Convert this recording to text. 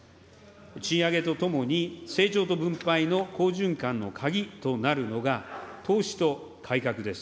賃上げとともに、成長と分配の好循環の鍵となるのが、投資と改革です。